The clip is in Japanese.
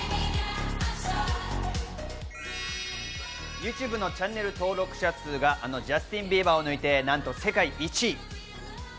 ＹｏｕＴｕｂｅのチャンネル登録者数があのジャスティン・ビーバーを抜いて、なんと世界１位。